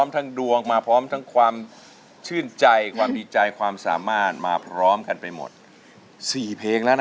แต่ถ้าเล่าให้ทุกคนพูดกว่าว่าจะเป็นผู้ใช้มัน